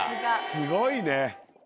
すごいね。